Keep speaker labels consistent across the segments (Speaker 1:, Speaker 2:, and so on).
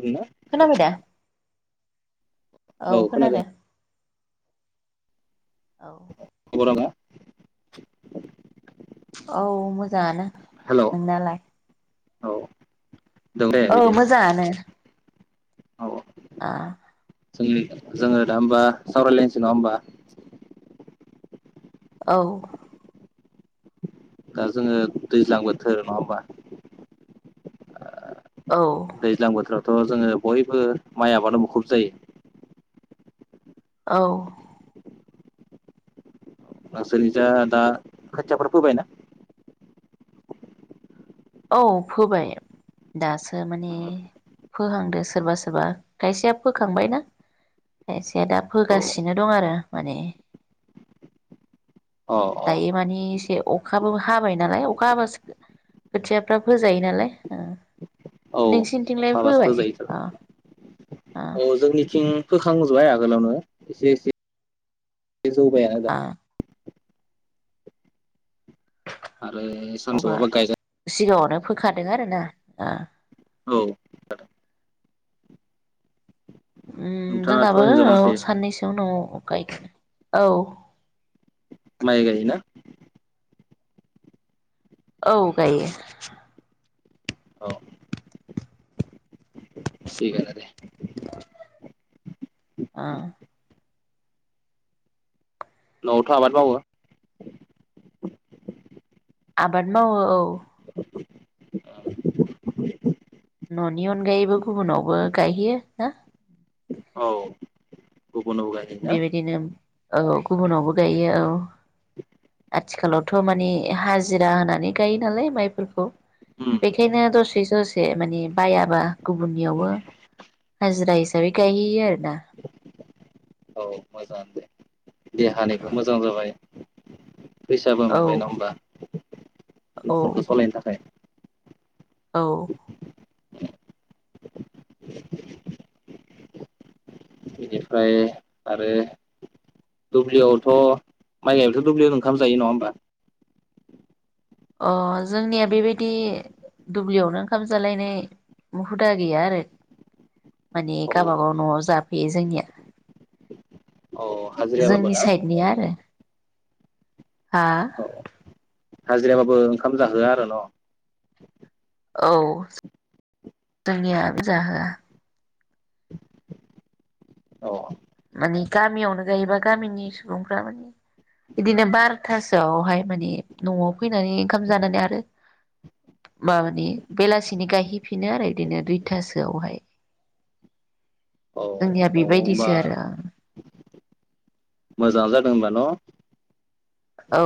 Speaker 1: नना
Speaker 2: खोनाबाय दा औ खोनादों औ
Speaker 1: खबरा मा
Speaker 2: औ मोजाङानो
Speaker 1: हेलौ
Speaker 2: नोंनालाय?
Speaker 1: औ दं दे
Speaker 2: औ
Speaker 1: बिदिनो
Speaker 2: मोजाङानो
Speaker 1: औ
Speaker 2: आ
Speaker 1: जोंनि जोङो दा होमबा सावरायलायनोसै नङा होमबा
Speaker 2: औ
Speaker 1: दा जोङो दैज्लां बोथोर नङा होमबा
Speaker 2: औ
Speaker 1: दैज्लां बोथोर थ' जोङो बयबो माइ आबादाव मुखुब जायो
Speaker 2: औ
Speaker 1: नोंसोरनि जा दा खोथियाफोर फोबायना?
Speaker 2: औ फोबाय दासो माने फोहांदो सोरबा सोरबा खायसेया फोखांबायना खायसेया दा
Speaker 1: औ
Speaker 2: फोगासिनो दं आरो माने
Speaker 1: अ अ
Speaker 2: दायो माने एसे अखाबो हाबाय नालाय अखा हाबासो खोथियाफ्रा फोजायो नालाय नोंसिनिथिंलाय
Speaker 1: हाबासो
Speaker 2: फोबाय
Speaker 1: फोजायो थ
Speaker 2: अ
Speaker 1: आरो अ जोंनिथिं फोखां आगोलावनो एसे एसे बे जौबाय आ
Speaker 2: अ
Speaker 1: आरो
Speaker 2: [inaudible] अब्ला
Speaker 1: सानसौआबा गायजा
Speaker 2: सिगाङाव नो फोखादों आरोना ओ
Speaker 1: औ
Speaker 2: उम
Speaker 1: नोंथाङाथ'
Speaker 2: जोंनाबो
Speaker 1: हिनजाव
Speaker 2: ओ
Speaker 1: मानसि
Speaker 2: साननैसो उनाव गायख औ
Speaker 1: माय गायो ना
Speaker 2: औ गायो
Speaker 1: औ थिगानो दे
Speaker 2: आ
Speaker 1: न'आवथ' आबाद मावो
Speaker 2: आबाद मावो औ न'नि अनगायैबो गुबुनावबो गायहैयो ना
Speaker 1: औ गुबुनाव गायहैना
Speaker 2: बेबायदिनो औ गुबुनावबो गायो औ आथिखालावथ' माने हाजिरा होनानै गायो नालाय माइफोरखौ
Speaker 1: उम
Speaker 2: बेखायनो दसे दसे माने बायाबा गुबुननियावबो हाजिरा हिसाबै गायहैयो आरो ना
Speaker 1: औ मोजाङानो दे देहानिबो मोजां जाबाय फैसाबो
Speaker 2: औ
Speaker 1: मोनबाय नङा होमबा
Speaker 2: औ
Speaker 1: न'खरखौ सालायनो थाखाय
Speaker 2: औ
Speaker 1: बेनिफ्राय आरो दुब्लिआवथ' माइ गाबथ' दुब्लिआवनो ओंखाम जायो नङा होमबा
Speaker 2: अ जोंनिया बेबायदि दुब्लियावनो ओंखाम जालायनाय हुदा गैया आरो माने
Speaker 1: औ
Speaker 2: गबागाव न'आव जाफैयो जोंनिया
Speaker 1: औ हाजिरायाबाबो
Speaker 2: जोंनि
Speaker 1: ना
Speaker 2: साइडनिया आरो हा
Speaker 1: औ हाजिराबाबो ओंखाम जाहोआ आरो न'
Speaker 2: औ जोंनियानो जाहोआ
Speaker 1: औ
Speaker 2: माने गामियावनो गायोबा गामिनि सुबुंफ्रा माने बिदिनो बार'थासोआवहाय माने न'आव फैनानै ओंखाम जानानै आरो मानि बेलासिनि गायहैफिनो आरो बिदिनो दुइथासोआवहाय
Speaker 1: औ
Speaker 2: जोंनिया बेबायदिसो
Speaker 1: होमबा
Speaker 2: [unintelligible]
Speaker 1: मोजाङ जादों होनबा न'
Speaker 2: औ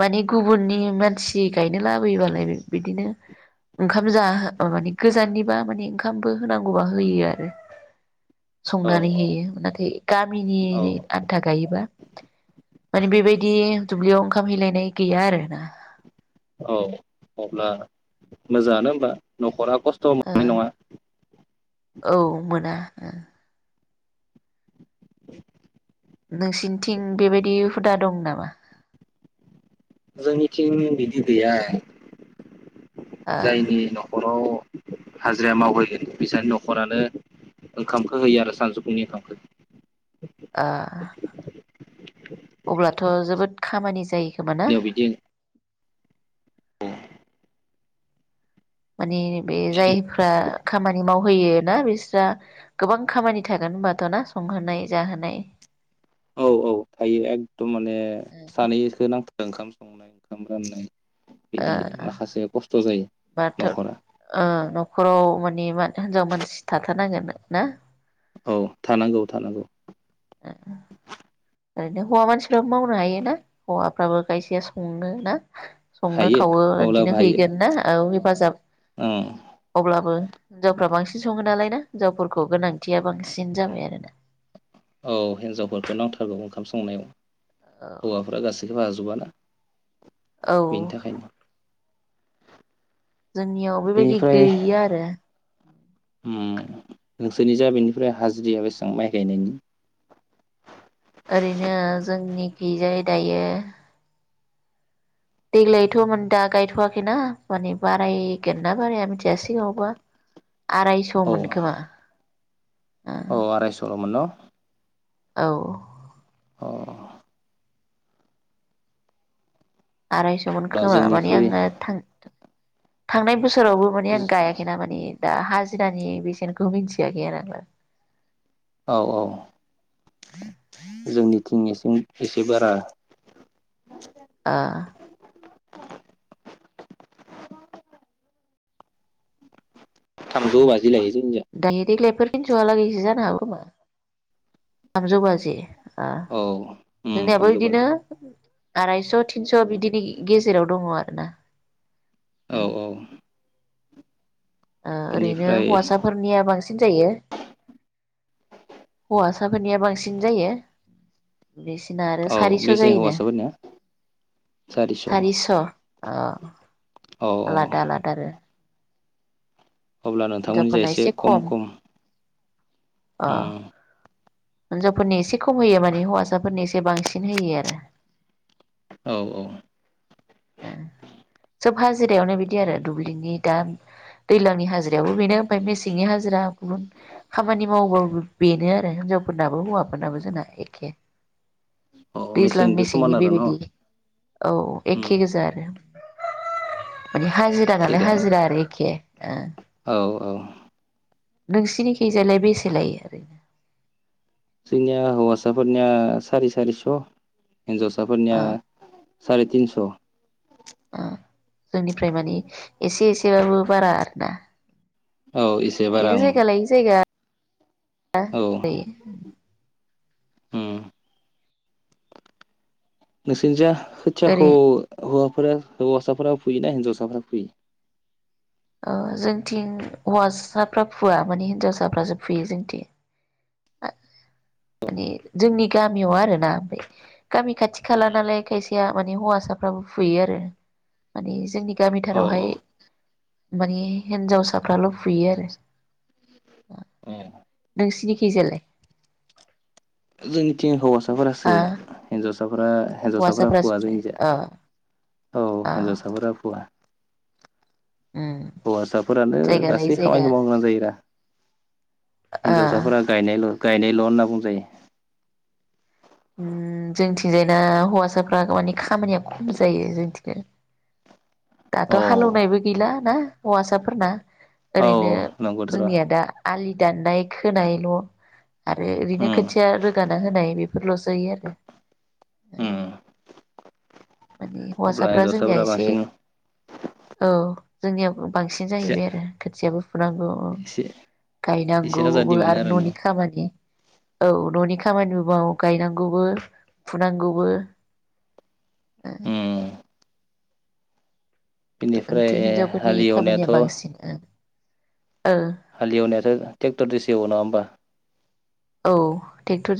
Speaker 2: माने गुबुननि मानसि गायनो लाबोयोबालाय बिदिनो ओंखाम जा माने गोजाननिबा माने ओंखामबो होनांगौबा होयो आरो
Speaker 1: औ
Speaker 2: संनानै होयो नाथाय गामिनि
Speaker 1: औ
Speaker 2: आन्था गायोबा माने बेबायदि दुब्लियाव ओंखाम हैैलायनाय गैया आरोना
Speaker 1: औ अब्ला मोजाङानो होमबा न'खरा खस्थ'
Speaker 2: ओ
Speaker 1: मोननाय नङा
Speaker 2: औ मोना नोंसिनिथिं बेबायदि हुदा दं नामा
Speaker 1: जोंनिथिं बिदि गैया
Speaker 2: ओ
Speaker 1: जायनि न'खराव हाजिरा मावहैगोन बिसानि न'खरानो ओंखामखौ होयो आरो सानजौफुंनि ओंखामखौ
Speaker 2: ओ अब्लाथ' जोबोद खामानि जायो खोमा ना
Speaker 1: जोंनियाव बिदि
Speaker 2: माने बे जायफ्रा खामानि मावहोयो ना बिस्रा गोबां खामानि थागोन होनबाथ' ना संहोनाय जाहोनाय
Speaker 1: औ औ थायो एकदम माने सानैखौ नांथारगौ ओंखाम संनाय ओंखाम राननाय
Speaker 2: ओ
Speaker 1: बिदि माखासे खस्थ' जायो
Speaker 2: बाथ'
Speaker 1: न'खरा
Speaker 2: ओ न'खराव माने मा हिनजाव मानसि थाथारनांगोन ना
Speaker 1: औ थानांगौ थानांगौ
Speaker 2: [unintelligible] ओरैनो हौवा मानसिफ्राबो मावनो हायो ना हौवाफ्राबो खायसेया सङो ना संनो
Speaker 1: हायो
Speaker 2: खावो
Speaker 1: अब्लाबो
Speaker 2: बिदिनो
Speaker 1: हायो
Speaker 2: हैगोन ना औ हेफाजाब
Speaker 1: औ
Speaker 2: अब्लाबो हिनजावफ्रा बांसिन सङो नालाय ना हिनजावफोरखौ गोनांथिया बांसिन जाबाय आरोना
Speaker 1: औ हिन्जावफोरखौ नांथारगौ ओंखाम संनायाव हौवाफोरा गासैखौबो हाजोबाना
Speaker 2: औ
Speaker 1: बेनि थाखायनो
Speaker 2: जोंनियाव बेबायदि
Speaker 1: बेनिफ्राय
Speaker 2: गैयो आरो उ
Speaker 1: उम नोंसोरनि जा बेनिफ्राय हाज्रिया बेसां माइ गायनायनि
Speaker 2: ओरैनो जोंनिखैजाय दायो देग्लायथ'मोन दा गायथ'वाखैना माने बारायगोन ना बाराया मिथिया सिगाङावबा आरायस'
Speaker 1: औ
Speaker 2: मोनखोमा आ
Speaker 1: औ आरायसलमोन न
Speaker 2: औ
Speaker 1: अ
Speaker 2: आरायस'मोन खोमा माने
Speaker 1: जोंनिख्रुइ
Speaker 2: आङो थां थांनाय बो सोरावबो माने आं
Speaker 1: औ
Speaker 2: गायाखैना मानि दा हा जिरानि बेसनखौ मोनथियाखै आरो आं दा
Speaker 1: औ औ जोंनिथिं एसे बारा
Speaker 2: ओ
Speaker 1: थामजौ बा
Speaker 2: दायो देग्लायफोर तिनस'आलागैसो जानो हागौ खोमा थामजौ बाजि ओ
Speaker 1: औ उम
Speaker 2: जोंनियाबो
Speaker 1: थामजौ
Speaker 2: बिदिनो
Speaker 1: बाजि
Speaker 2: आरायस थिनस बिदिनो गेजेराव दङ आरो ना
Speaker 1: औ औ
Speaker 2: ओ ओरैनो
Speaker 1: बिनिफ्राय
Speaker 2: हौवासाफोरनिया बांसिन जायो हौवासाफोरनिया बांसिन जायो बिसिना आरो
Speaker 1: औ
Speaker 2: सारिस
Speaker 1: बेसे
Speaker 2: जायोनो
Speaker 1: हौवासाफोरनिया
Speaker 2: सारिस अ
Speaker 1: औ
Speaker 2: आलादा आलादा आरो
Speaker 1: अब्ला नोंथांमोननि जाय
Speaker 2: हिनजावफोरना
Speaker 1: एसे कम
Speaker 2: खम
Speaker 1: कम
Speaker 2: अ हिनजावफोरनि एसे खम होयो माने हौवासाफोरनि एसे बांसिन होयो आरो
Speaker 1: औ औ
Speaker 2: सोब हाजिरायावनो बिदि आरो दुब्लिनि दा दैज्लांनि हाजिरायावबो बेनो ओमफ्राय मेसेंनि हाजिरा गुबुन खामानि मावबाबो बेनो आरो हिनजाव फोरनाबो हौवाफोरनाबो जोंना एखे
Speaker 1: औ
Speaker 2: दैज्लां
Speaker 1: मेसेंजों
Speaker 2: मेसेंनि
Speaker 1: समान आरो न'
Speaker 2: बेबायदि औ
Speaker 1: उम
Speaker 2: एखे गोजा आरो माने हाजिरा नालाय
Speaker 1: थिगानो
Speaker 2: हाजिरा आरो एखे ओ
Speaker 1: औ औ
Speaker 2: नोंसिनिखैजालाय बेसे लायो ओरैनो
Speaker 1: जोंनिया हौवासाफोरनिया सारि सारिस हिनजावसाफोरनिया
Speaker 2: ओ
Speaker 1: सार तिनस
Speaker 2: ओ जोंनिफ्राय माने एसे एसेबाबो बारा आरो ना।
Speaker 1: औ एसे बारा
Speaker 2: इदिनो
Speaker 1: ओं
Speaker 2: जायगालायै जायगा।
Speaker 1: औ
Speaker 2: [unintelligible]
Speaker 1: उम नोंसिनिजा खोथियाखौ
Speaker 2: ओरै
Speaker 1: हौफोरा हौवासाफोरा फुयो ना हिनजावसाफोरा फुयो।
Speaker 2: ओ जोंथिं हौवासाफ्रा फुवा माने हिनजावसाफ्रासो फुयो जोंथिं माने जोंनि गामियाव आरो ना गामि खाथि खाला नालाय खायसेया माने हौवासाफ्राबो फुयो आरो माने जोंनि
Speaker 1: औ
Speaker 2: गामिथारावहाय
Speaker 1: औ
Speaker 2: माने हिनजावसाफ्राल फुयो आरो। नोंसिनिखै जालाय
Speaker 1: जोंनिथिं हौवा साफोरासो हिन्जावसा हिरा हिन्जावसाफ्रा
Speaker 2: हौवासाफ्रासो
Speaker 1: फुवा जोंनिजा
Speaker 2: अ
Speaker 1: औ
Speaker 2: अ
Speaker 1: हिनजावसाफोरा फुवा
Speaker 2: उम
Speaker 1: हौवासाफोरानो
Speaker 2: जायगा लायै
Speaker 1: गासै
Speaker 2: जायगा
Speaker 1: खामानिखौ मावनो गोनां जायो दा
Speaker 2: ओ
Speaker 1: हिनजावसाफोरा गायनायल' गायनायल' होनना बुंजायो।
Speaker 2: उम जोंथिंजायना हौवासाफ्रा माने खामानिया खम जायो जोंथिंनो दाथ'
Speaker 1: औ
Speaker 2: हालेवनायबो गैला ना। हौवासाफोरना
Speaker 1: औ
Speaker 2: ओरैनो
Speaker 1: नंगौथ' र'
Speaker 2: जोंनिया दा आलि दाननाय खोनायल' आरो
Speaker 1: उम
Speaker 2: ओरैनो खोथिया रोगाना होनाय बेफोरल'सो जायो आरो
Speaker 1: उम
Speaker 2: माने
Speaker 1: अब्ला
Speaker 2: हौवासाफ्रा जोंनिया
Speaker 1: हिन्जावसाफोरा
Speaker 2: एसे
Speaker 1: बांसिन
Speaker 2: औ जोंनिया बांसिन
Speaker 1: एसे
Speaker 2: जाहैबाय आरो खोथियाबो फुनांगौ
Speaker 1: एसे एसे
Speaker 2: गायनांगौबो
Speaker 1: आजादि मोनो
Speaker 2: आरो
Speaker 1: न'
Speaker 2: न'नि खामानि औ न'नि खामानि माव गायनांगौबो फुनांगौबो।
Speaker 1: उम बेनिफ्राय
Speaker 2: जोंनिथिं हिन्जावफोरनि
Speaker 1: हालेवनायाथ'
Speaker 2: खामानिया बांसिन ओ
Speaker 1: हालेवनायाथ' ट्रेक्टरजोंसो एवो नङा होमबा?
Speaker 2: औ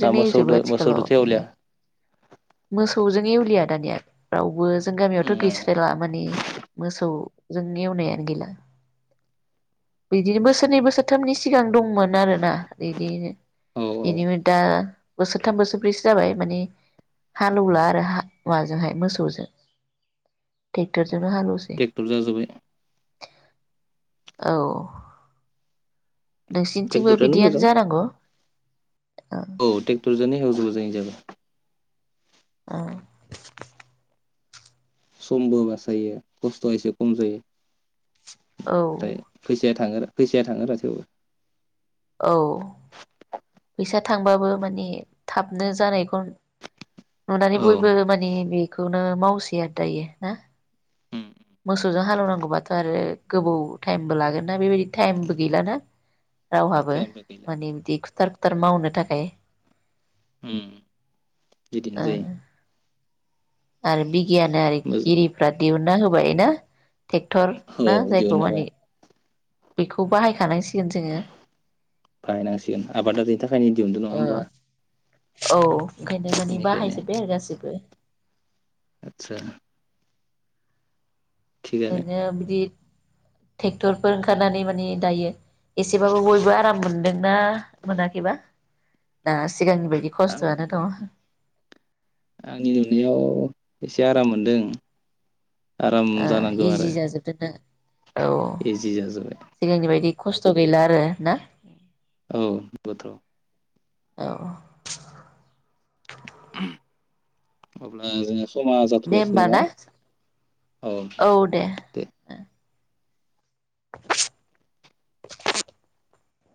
Speaker 1: दा
Speaker 2: एवजोबो
Speaker 1: मोसौदो
Speaker 2: आथिखालाव
Speaker 1: मोसौदोथ'
Speaker 2: माने
Speaker 1: एवलिया
Speaker 2: मोसौजों एवलियानो आ दानिया रावबो जों
Speaker 1: औ
Speaker 2: गामियावथ' गैस्रायला माने मोसौजों एवनायानो गैला बिदिनो बोसोरनै बोसोरथामनि सिगां दंमोन आरोना बिदिनो।
Speaker 1: औ
Speaker 2: बेनि दा बोसोरथाम बोसोरब्रैसो जाबाय माने हालेवला आरो माबाजोंहाय मोसौजों ट्रेक्टरजों
Speaker 1: ट्रेक्टर जाजोब्बाय।
Speaker 2: औ। नोंसिनिथिंबो
Speaker 1: ट्रेक्टरजोंनो
Speaker 2: बिदियानो
Speaker 1: मोजां
Speaker 2: जानांगौ।
Speaker 1: औ ट्रेक्टर जोनो एवजोबो जोंनिजाबो
Speaker 2: औ।
Speaker 1: समबो बासायो खस्थ'आ एसे खम जायो।
Speaker 2: औ
Speaker 1: नाथाय फैसाया थाङो आरो। फैसाया थाङोबा थेवबो
Speaker 2: औ। फैसा थांबाबो माने थाबनो जानायखौ नुनानै
Speaker 1: औ
Speaker 2: बयबो माने बे खौनो मावसै आरो दायो ना मोसौजों हालेवनांगौबाथ' आरो गोबौ टाइमबो लागोन ना बेबायदि टाइमबो गैलाना। रावहाबो
Speaker 1: टाइमबो गैला
Speaker 2: माने बिदि। फुथार फुथार मावनो थाखाय
Speaker 1: उम बिदिनो
Speaker 2: ओ
Speaker 1: जायो।
Speaker 2: आरो बि गियानआरि
Speaker 1: मोजां
Speaker 2: गिरिफ्रा दिहुनना हो बायना ट्रेक्टर
Speaker 1: औ
Speaker 2: ना जायखौ
Speaker 1: दिहुनना होबाय
Speaker 2: माने बेखौ बाहायखानां
Speaker 1: बाहायनांसिगोन आबादारिनि थाखायनो दिहुनदों नङा
Speaker 2: ओ
Speaker 1: होमबा
Speaker 2: औ। ओंखायनो माने
Speaker 1: बेनिखायनो
Speaker 2: बाहायजोबबाय आरो गासिबो
Speaker 1: आदसा थिगानो
Speaker 2: ओरैनो बिदि ट्रेक्टरफोर ओंखारनानै माने दायो एसेबाबो बयबो आराम मोनदोंना मोनाखैबा दा सिगांनि बायदि
Speaker 1: आं
Speaker 2: खस्थ'आनो दङ
Speaker 1: आंनि नुनायाव एसे आराम मो नंदों।
Speaker 2: ओ इजि जाजोबदो ना? औ
Speaker 1: इजि जाजोब्बाय
Speaker 2: सिगांनि बायदि खस्थ' गैला आरो ना
Speaker 1: औ नंगौथ'
Speaker 2: औ
Speaker 1: उ अब्ला जोङो समा
Speaker 2: दे
Speaker 1: जाथ'लायसै
Speaker 2: होमबा
Speaker 1: नामा
Speaker 2: ना
Speaker 1: औ दे दे
Speaker 2: [unintelligible]